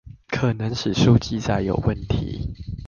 可能史書記載有問題